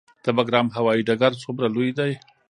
د بګرام هوايي ډګر څومره لوی دی؟